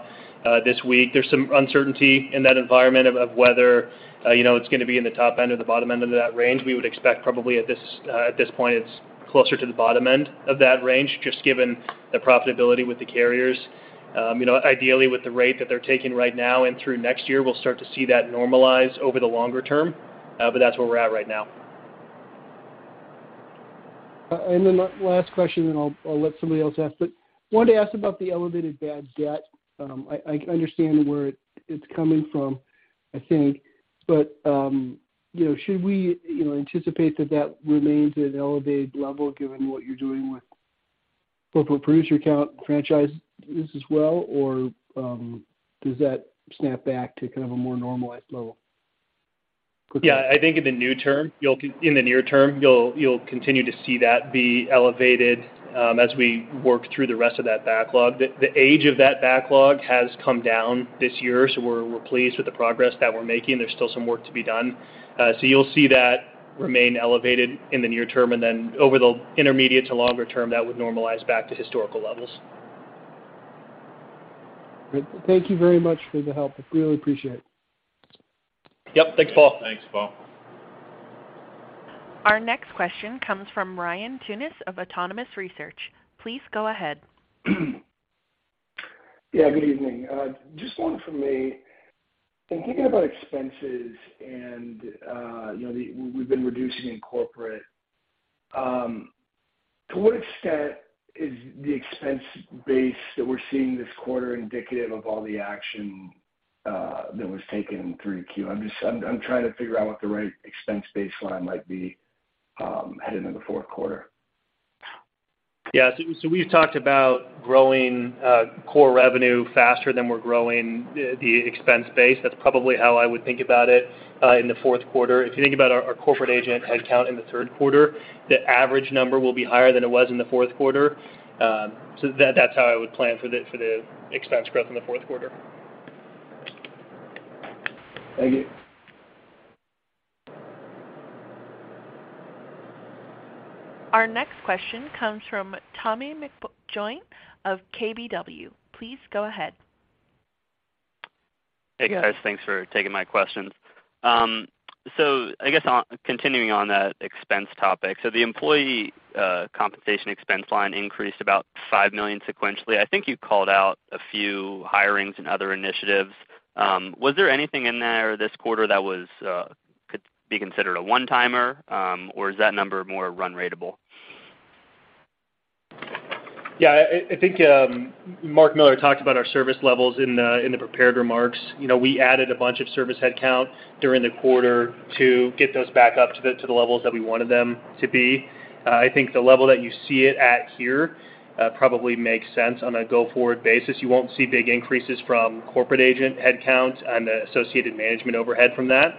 this week. There's some uncertainty in that environment about whether you know, it's gonna be in the top end or the bottom end of that range. We would expect probably at this point, it's closer to the bottom end of that range, just given the profitability with the carriers. You know, ideally, with the rate that they're taking right now and through next year, we'll start to see that normalize over the longer term, but that's where we're at right now. The last question, and I'll let somebody else ask. Wanted to ask about the elevated bad debt. I understand where it's coming from, I think. Should we anticipate that remains at an elevated level given what you're doing with corporate producer count franchises as well? Does that snap back to kind of a more normalized level? I think in the near term, you'll continue to see that be elevated as we work through the rest of that backlog. The age of that backlog has come down this year, so we're pleased with the progress that we're making. There's still some work to be done. You'll see that remain elevated in the near term, and then over the intermediate to longer term, that would normalize back to historical levels. Great. Thank you very much for the help. We really appreciate it. Yep. Thanks, Paul. Thanks, Paul. Our next question comes from Ryan Tunis of Autonomous Research. Please go ahead. Good evening. Just one from me. In thinking about expenses and we've been reducing in corporate. To what extent is the expense base that we're seeing this quarter indicative of all the action that was taken through quarter? I'm trying to figure out what the right expense baseline might be, heading into fourth quarter. YeWe've talked about growing core revenue faster than we're growing the expense base. That's probably how I would think about it in the fourth quarter. If you think about our corporate agent headcount in the third quarter, the average number will be higher than it was in the fourth quarter. That's how I would plan for the expense growth in the fourth quarter. Thank you. Our next question comes from Tommy McJoynt of KBW. Please go ahead. Hey, guys. Thanks for taking my questions. Continuing on that expense topic. The employee compensation expense line increased about $5 million sequentially. I think you called out a few hirings and other initiatives. Was there anything in there this quarter that could be considered a one-timer? Or is that number more run-rate? I think Mark Miller talked about our service levels in the prepared remarks. You know, we added a bunch of service headcount during the quarter to get those back up to the levels that we wanted them to be. I think the level that you see it at here probably makes sense on a go-forward basis. You won't see big increases from corporate agent headcounts and the associated management overhead from that.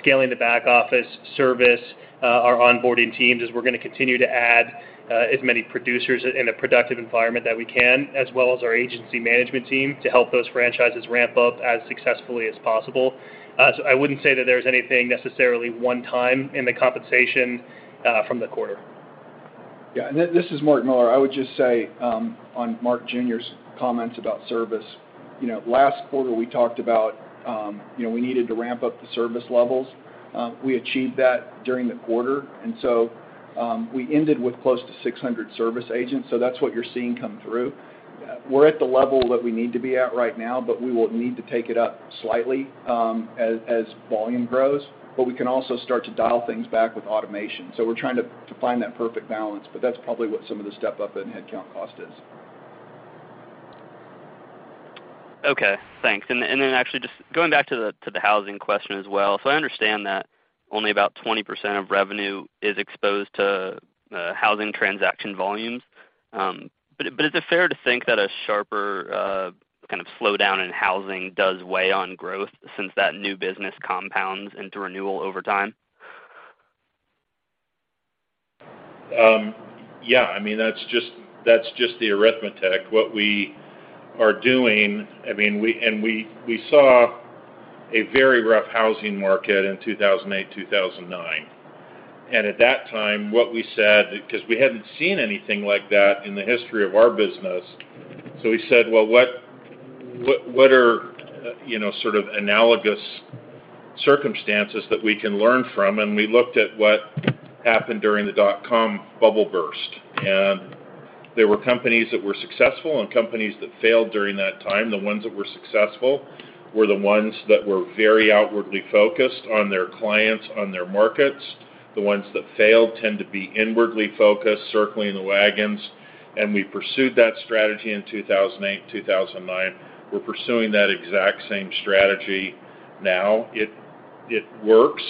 Scaling the back office service, our onboarding teams as we're gonna continue to add as many producers in a productive environment that we can, as well as our agency management team to help those franchises ramp up as successfully as possible. I wouldn't say that there's anything necessarily one-time in the compensation from the quarter. This is Mark Miller. I would just say on Mark Jones Jr.'s comments about service. You know, last quarter, we talked about, you know, we needed to ramp up the service levels. We achieved that during the quarter. We ended with close to 600 service agents, so that's what you're seeing come through. We're at the level that we need to be at right now, but we will need to take it up slightly, as volume grows. We can also start to dial things back with automation. We're trying to find that perfect balance. That's probably what some of the step-up in headcount cost is. Okay. Thanks. Then actually just going back to the housing question as well. I understand that only about 20% of revenue is exposed to housing transaction volumes. But is it fair to think that a sharper kind of slowdown in housing does weigh on growth since that new business compounds into renewal over time? I mean, that's just the arithmetic. What we are doing. I mean, we saw a very rough housing market in 2008, 2009. At that time, what we said, because we hadn't seen anything like that in the history of our business, so we said, "Well, what are analogous circumstances that we can learn from?" We looked at what happened during the dot-com bubble burst. There were companies that were successful and companies that failed during that time. The ones that were successful were the ones that were very outwardly focused on their clients, on their markets. The ones that failed tend to be inwardly focused, circling the wagons. We pursued that strategy in 2008, 2009. We're pursuing that exact same strategy now. It works.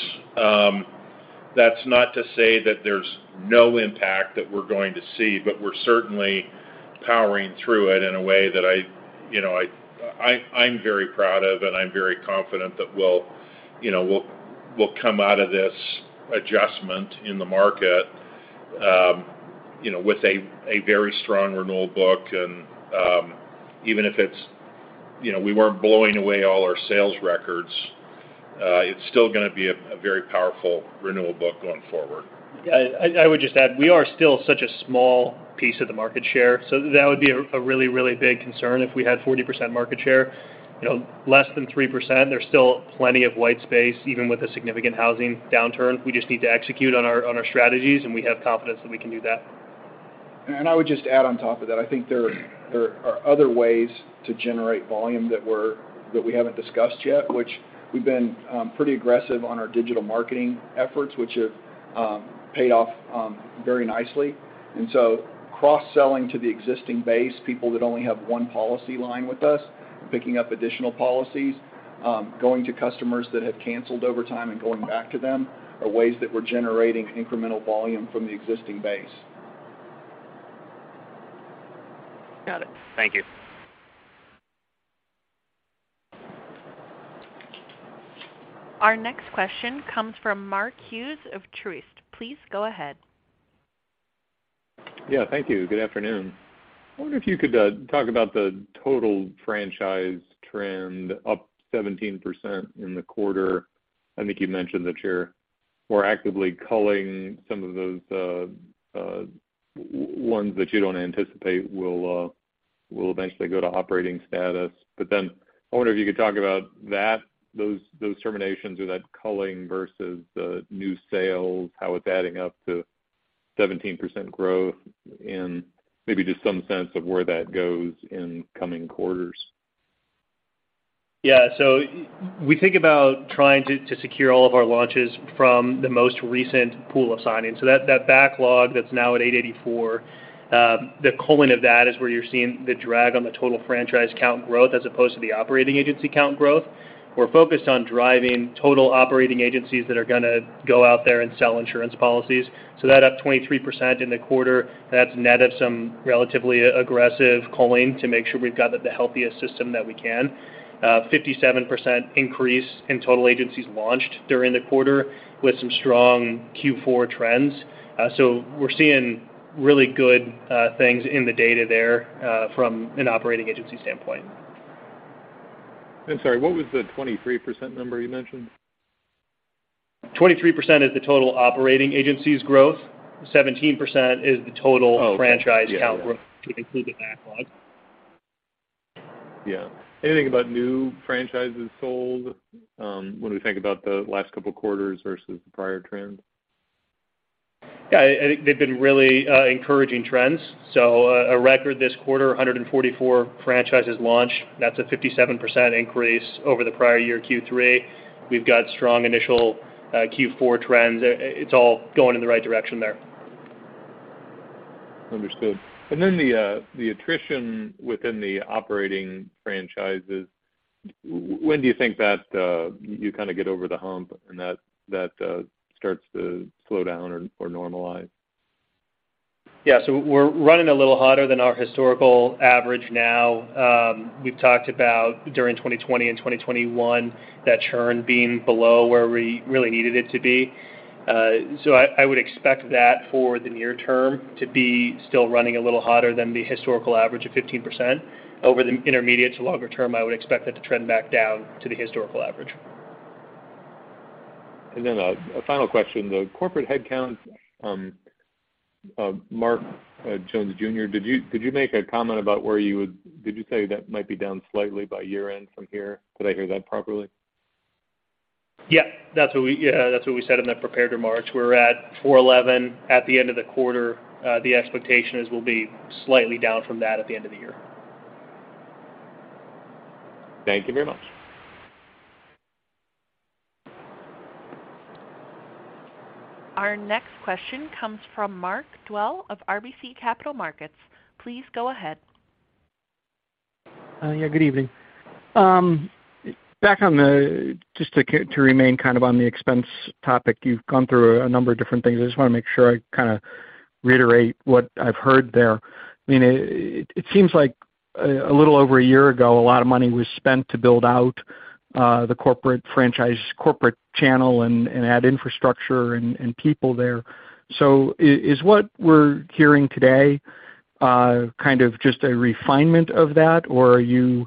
That's not to say that there's no impact that we're going to see, but we're certainly powering through it in a way that I, you know, I'm very proud of, and I'm very confident that we'll, you know, come out of this adjustment in the market, you know, with a very strong renewal book. Even if it's, we weren't blowing away all our sales records, it's still gonna be a very powerful renewal book going forward. I would just add, we are still such a small piece of the market share, so that would be a really big concern if we had 40% market share. You know, less than 3%, there's still plenty of white space, even with a significant housing downturn. We just need to execute on our strategies, and we have confidence that we can do that. I would just add on top of that, I think there are other ways to generate volume that we haven't discussed yet, which we've been pretty aggressive on our digital marketing efforts, which have paid off very nicely. Cross-selling to the existing base, people that only have one policy line with us, picking up additional policies, going to customers that have canceled over time and going back to them are ways that we're generating incremental volume from the existing base. Got it. Thank you. Our next question comes from Mark Hughes of Truist. Please go ahead. Thank you. Good afternoon. I wonder if you could talk about the total franchise trend up 17% in the quarter. I think you mentioned that you're more actively culling some of those ones that you don't anticipate will eventually go to operating status. I wonder if you could talk about those terminations or that culling versus the new sales, how it's adding up to 17% growth and maybe just some sense of where that goes in coming quarters. We think about trying to secure all of our launches from the most recent pool of signings. That backlog that's now at 884, the culling of that is where you're seeing the drag on the total franchise count growth as opposed to the operating agency count growth. We're focused on driving total operating agencies that are gonna go out there and sell insurance policies. That up 23% in the quarter, that's net of some relatively aggressive culling to make sure we've got the healthiest system that we can. 57% increase in total agencies launched during the quarter with some strong Q4 trends. We're seeing really good things in the data there from an operating agency standpoint. I'm sorry, what was the 23% number you mentioned? 23% is the total operating agencies growth. 17% is the total franchise count growth to include the backlog. Anything about new franchises sold, when we think about the last couple quarters versus the prior trend? I think they've been really encouraging trends. A record this quarter, 144 franchises launched. That's a 57% increase over the prior year Q3. We've got strong initial Q4 trends. It's all going in the right direction there. Understood. The attrition within the operating franchises, when do you think that you get over the hump and that starts to slow down or normalize? We're running a little hotter than our historical average now. We've talked about during 2020 and 2021, that churn being below where we really needed it to be. I would expect that for the near term to be still running a little hotter than the historical average of 15%. Over the intermediate to longer term, I would expect that to trend back down to the historical average. A final question. The corporate headcount, Mark Jones Jr., did you say that might be down slightly by year-end from here? Did I hear that properly? That's what we said in that prepared remarks. We're at 411 at the end of the quarter. The expectation is we'll be slightly down from that at the end of the year. Thank you very much. Our next question comes from Mark Dwelle of RBC Capital Markets. Please go ahead. Good evening. Back on the expense topic, to remain kind of on the expense topic, you've gone through a number of different things. I just wanna make sure I reiterate what I've heard there. I mean, it seems like a little over a year ago, a lot of money was spent to build out the corporate franchise, corporate channel and add infrastructure and people there. Is what we're hearing today kind of just a refinement of that, or are you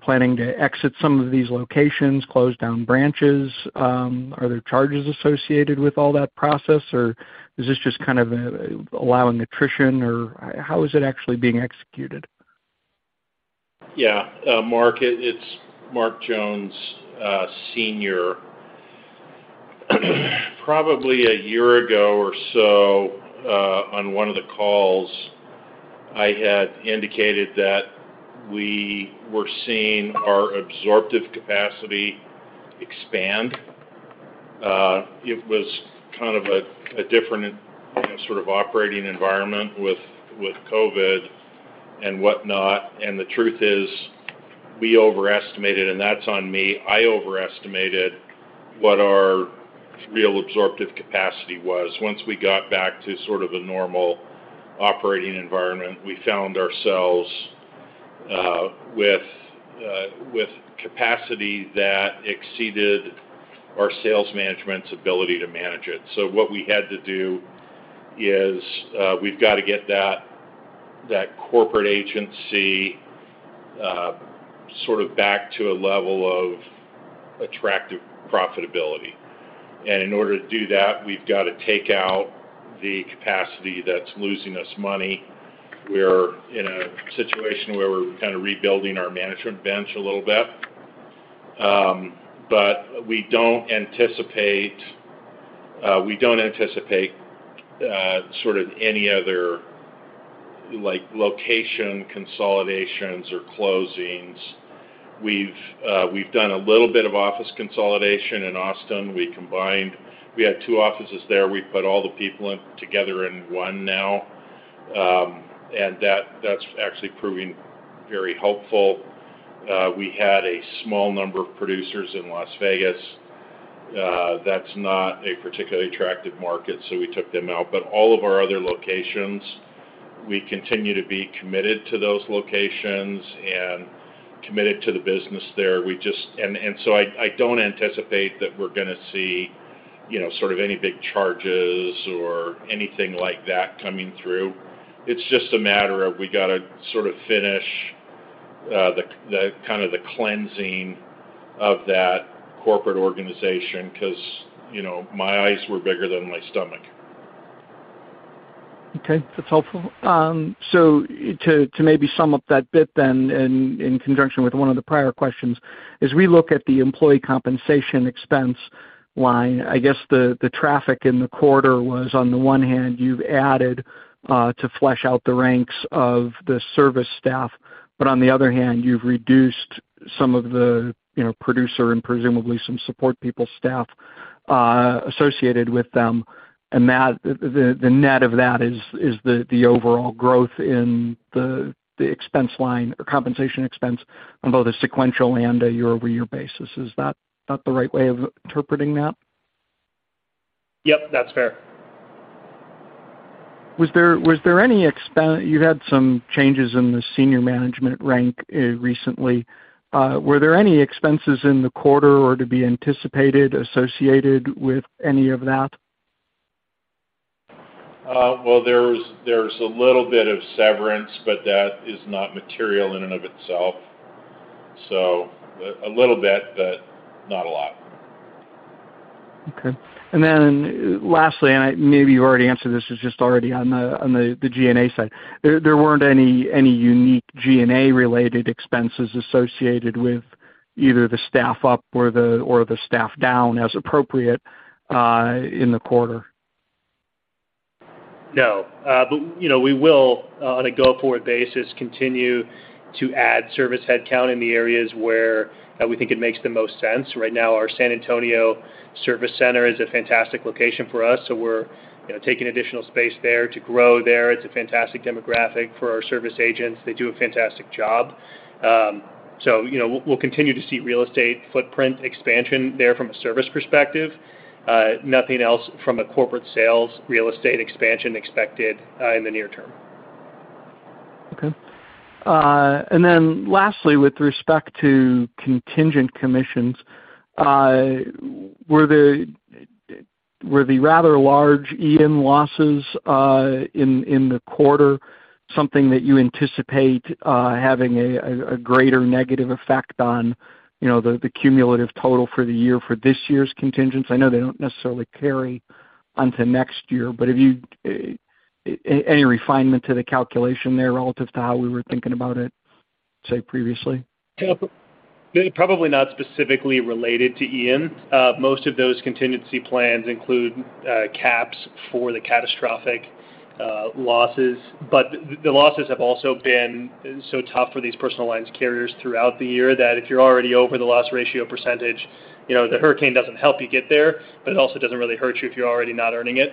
planning to exit some of these locations, close down branches? Are there charges associated with all that process, or is this just kind of allowing attrition, or how is it actually being executed? Mark, it's Mark Jones Sr.. Probably a year ago or so on one of the calls, I had indicated that we were seeing our absorptive capacity expand. It was kind of a different operating environment with COVID and whatnot. The truth is we overestimated, and that's on me, I overestimated what our real absorptive capacity was. Once we got back to sort of a normal operating environment, we found ourselves with capacity that exceeded our sales management's ability to manage it. What we had to do is we've gotta get that corporate agency sort of back to a level of attractive profitability. In order to do that, we've gotta take out the capacity that's losing us money. We're in a situation where we're rebuilding our management bench a little bit. We don't anticipate any other like location consolidations or closings. We've done a little bit of office consolidation in Austin. We had two offices there. We put all the people together in one now. That's actually proving very helpful. We had a small number of producers in Las Vegas. That's not a particularly attractive market, so we took them out. All of our other locations, we continue to be committed to those locations and committed to the business there. I don't anticipate that we're gonna see, you know, sort of any big charges or anything like that coming through. It's just a matter of we gotta finish the kind of the cleansing of that corporate organization 'cause, you know, my eyes were bigger than my stomach. Okay. That's helpful. So to maybe sum up that bit then in conjunction with one of the prior questions, as we look at the employee compensation expense line, I guess the traffic in the quarter was on the one hand you've added to flesh out the ranks of the service staff, but on the other hand you've reduced some of the, you know, producer and presumably some support people staff associated with them. That the net of that is the overall growth in the expense line or compensation expense on both a sequential and a year-over-year basis. Is that the right way of interpreting that? Yep, that's fair. You had some changes in the Senior Management rank recently. Were there any expenses in the quarter or to be anticipated associated with any of that? Well, there was a little bit of severance, but that is not material in and of itself. A little bit, but not a lot. Okay. Lastly, maybe you already answered this, it's just already on the G&A side. There weren't any unique G&A-related expenses associated with either the staff up or the staff down as appropriate in the quarter. No, you know, we will on a go forward basis continue to add service headcount in the areas where we think it makes the most sense. Right now, our San Antonio service center is a fantastic location for us, so we're, you know, taking additional space there to grow there. It's a fantastic demographic for our service agents. They do a fantastic job. You know, we'll continue to see real estate footprint expansion there from a service perspective. Nothing else from a corporate sales real estate expansion expected in the near term. Okay. Lastly, with respect to contingent commissions, were the rather large Hurricane Ian losses in the quarter something that you anticipate having a greater negative effect on, you know, the cumulative total for the year for this year's contingents? I know they don't necessarily carry onto next year, but have you any refinement to the calculation there relative to how we were thinking about it, say previously? They're probably not specifically related to Ian. Most of those contingent commissions include caps for the catastrophic losses. The losses have also been so tough for these personal lines carriers throughout the year that if you're already over the loss ratio percentage, you know, the hurricane doesn't help you get there, but it also doesn't really hurt you if you're already not earning it.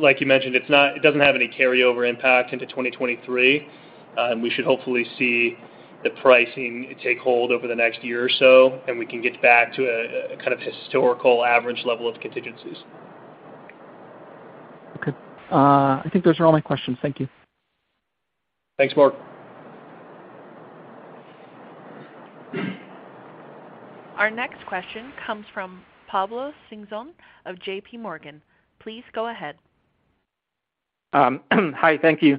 Like you mentioned, it doesn't have any carryover impact into 2023. We should hopefully see the pricing take hold over the next year or so, and we can get back to a kind of historical average level of contingent commissions. Okay. I think those are all my questions. Thank you. Thanks, Mark. Our next question comes from Pablo Singzon of JPMorgan. Please go ahead. Hi. Thank you.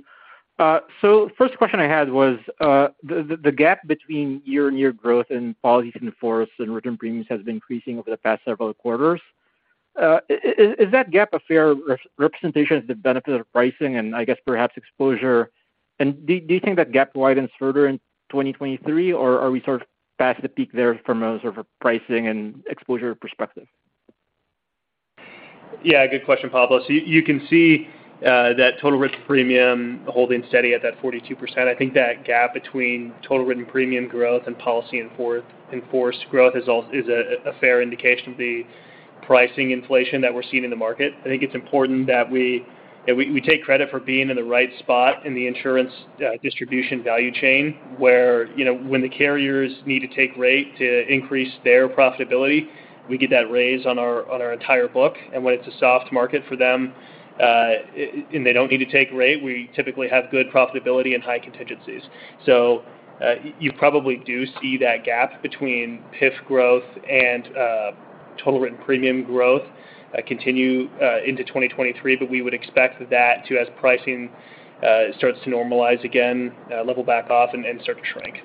First question I had was, the gap between year-on-year growth in policies in force and written premiums has been increasing over the past several quarters. Is that gap a fair representation of the benefit of pricing and erhaps exposure? And do you think that gap widens further in 2023, or are we past the peak there from a pricing and exposure perspective? Good question, Pablo. So you can see that total written premium holding steady at that 42%. I think that gap between total written premium growth and policy in-force growth is a fair indication of the pricing inflation that we're seeing in the market. I think it's important that we take credit for being in the right spot in the insurance distribution value chain, where, you know, when the carriers need to take rate to increase their profitability, we get that raise on our entire book. When it's a soft market for them, and they don't need to take rate, we typically have good profitability and high contingencies. You probably do see that gap between PIF growth and total written premium growth continue into 2023, but we would expect that to, as pricing starts to normalize again, level back off and then start to shrink.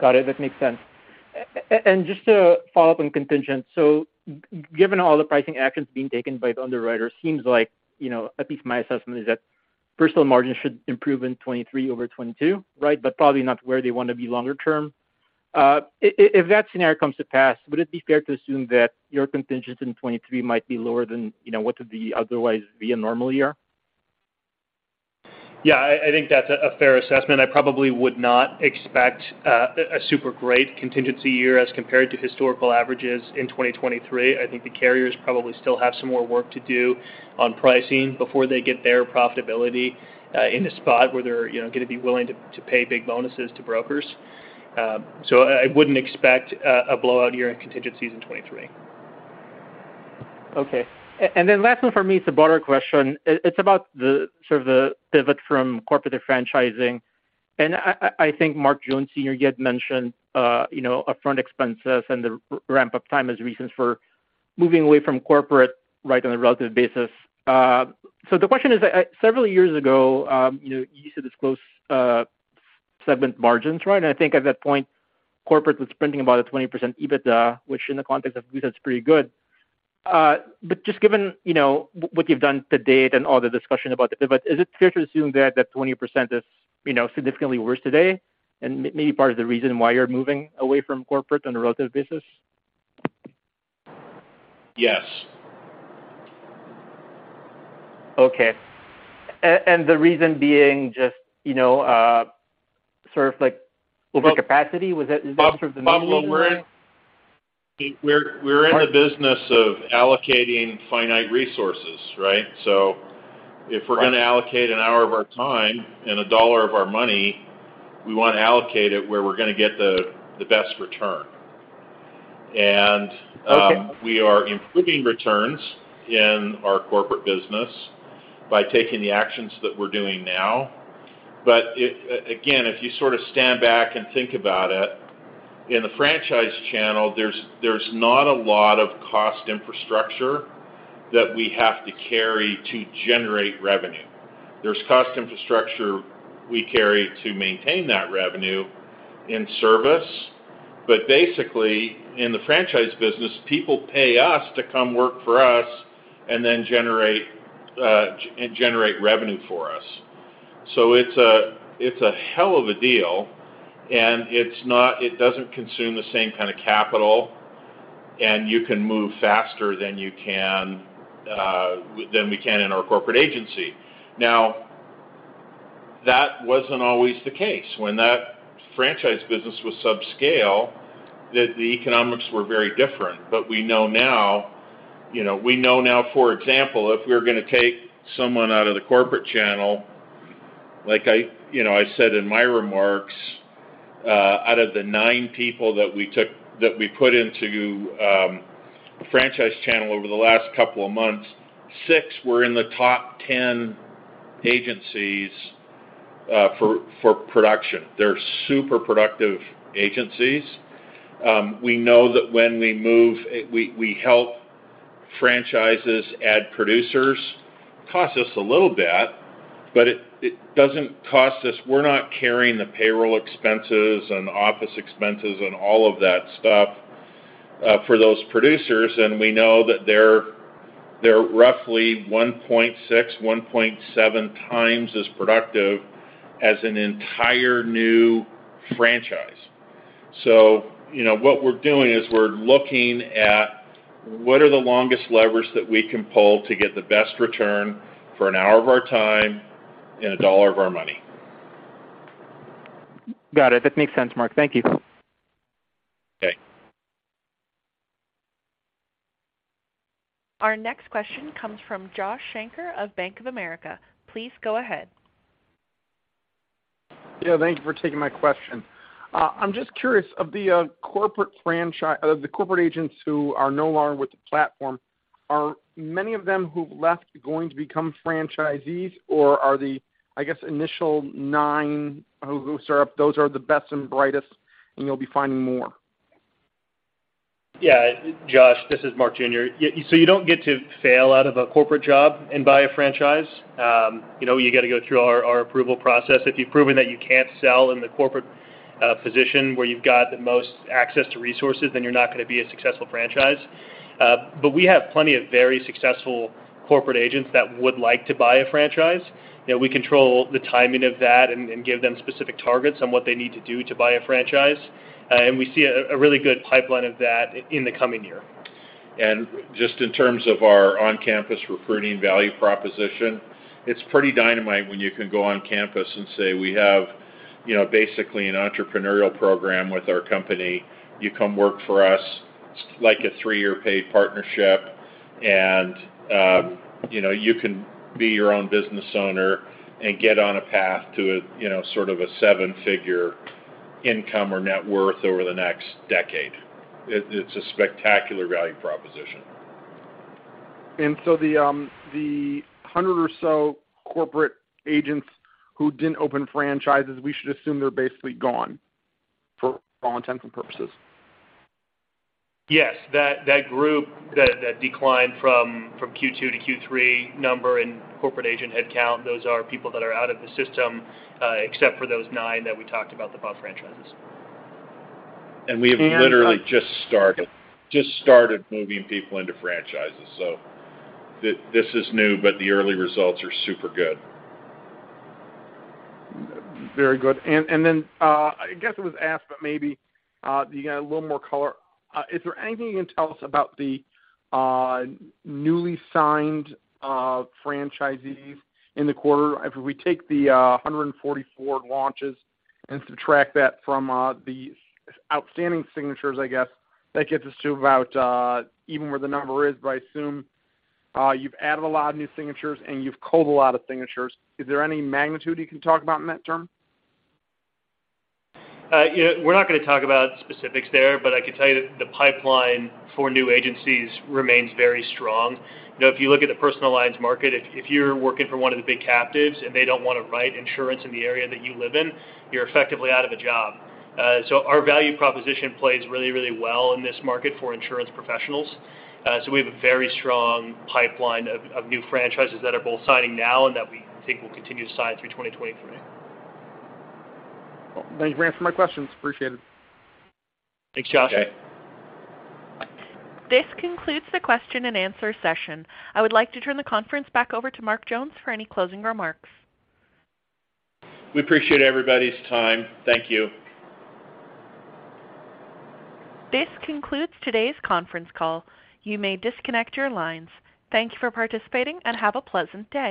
Got it. That makes sense. Just to follow up on contingent. Given all the pricing actions being taken by the underwriters, seems like, you know, at least my assessment is that personal margins should improve in 2023 over 2022, right? Probably not where they wanna be longer term. If that scenario comes to pass, would it be fair to assume that your contingent in 2023 might be lower than what could otherwise be a normal year? That's a fair assessment. I probably would not expect a super great contingency year as compared to historical averages in 2023. I think the carriers probably still have some more work to do on pricing before they get their profitability in a spot where they're gonna be willing to pay big bonuses to brokers. I wouldn't expect a blowout year in contingencies in 2023. Okay. Last one for me, it's a broader question. It's about sort of the pivot from corporate to franchising. I think Mark Jones has mentioned upfront expenses and the ramp-up time as reasons for moving away from corporate, right, on a relative basis. The question is, several years ago, you used to disclose segment margins, right? I think at that point, corporate was printing about a 20% EBITDA, which in the context of EBITDA's pretty good. Just given, you know, what you've done to date and all the discussion about the pivot, is it fair to assume that that 20% is significantly worse today and maybe part of the reason why you're moving away from corporate on a relative basis? Yes. Okay. The reason being just overcapacity? Is that sort of the main reason there? We're in the business of allocating finite resources, right? If we're gonna allocate an hour of our time and a dollar of our money, we wanna allocate it where we're gonna get the best return. We are improving returns in our corporate business by taking the actions that we're doing now. Again, if you sort of stand back and think about it, in the franchise channel, there's not a lot of cost infrastructure that we have to carry to generate revenue. There's cost infrastructure we carry to maintain that revenue and service. Basically, in the franchise business, people pay us to come work for us and then generate revenue for us. It's a hell of a deal, and it doesn't consume the same kinda capital, and you can move faster than we can in our corporate agency. Now, that wasn't always the case. When that franchise business was subscale, the economics were very different. We know now for example, if we're gonna take someone out of the corporate channel, like I, you know, I said in my remarks, out of the nine people that we put into the franchise channel over the last couple of months, six were in the top 10 agencies for production. They're super productive agencies. We know that we help franchises add producers. Costs us a little bit, but it doesn't cost us. We're not carrying the payroll expenses and office expenses and all of that stuff for those producers, and we know that they're roughly 1.6x, 1.7x as productive as an entire new franchise. What we're doing is we're looking at what are the longest levers that we can pull to get the best return for an hour of our time and a dollar of our money. Got it. That makes sense, Mark. Thank you. Okay. Our next question comes from Josh Shanker of Bank of America. Please go ahead. Thank you for taking my question. I'm just curious, of the corporate agents who are no longer with the platform, are many of them who've left going to become franchisees? Or are the, I guess, initial nine who serve, those are the best and brightest, and you'll be finding more? Josh, this is Mark Jr.. You don't get to fail out of a corporate job and buy a franchise. You know, you gotta go through our approval process. If you've proven that you can't sell in the corporate position where you've got the most access to resources, then you're not gonna be a successful franchise. We have plenty of very successful corporate agents that would like to buy a franchise. You know, we control the timing of that and give them specific targets on what they need to do to buy a franchise. We see a really good pipeline of that in the coming year. Just in terms of our on-campus recruiting value proposition, it's pretty dynamite when you can go on campus and say, "We have basically an entrepreneurial program with our company. You come work for us. It's like a three-year paid partnership. You know, you can be your own business owner and get on a path to a seven-figure income or net worth over the next decade." It's a spectacular value proposition. The 100 or so corporate agents who didn't open franchises, we should assume they're basically gone for all intents and purposes. Yes. That group that declined from Q2-Q3 number in corporate agent headcount, those are people that are out of the system, except for those nine that we talked about that bought franchises. We have literally just started moving people into franchises. This is new, but the early results are super good. Very good. I guess it was asked, but maybe you got a little more color. Is there anything you can tell us about the newly signed franchisees in the quarter? If we take the 144 launches and subtract that from the outstanding signatures, I guess that gets us to about even where the number is, but I assume you've added a lot of new signatures and you've culled a lot of signatures. Is there any magnitude you can talk about in that term? We're not gonna talk about specifics there, but I can tell you that the pipeline for new agencies remains very strong. You know, if you look at the personal lines market, if you're working for one of the big captives and they don't wanna write insurance in the area that you live in, you're effectively out of a job. Our value proposition plays really, really well in this market for insurance professionals. We have a very strong pipeline of new franchises that are both signing now and that we think will continue to sign through 2023. Cool. Thank you for answering my questions. Appreciate it. Thanks, Josh. Okay. This concludes the question-and-answer session. I would like to turn the conference back over to Mark Jones for any closing remarks. We appreciate everybody's time. Thank you. This concludes today's conference call. You may disconnect your lines. Thank you for participating and have a pleasant day.